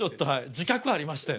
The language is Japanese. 自覚ありましてん。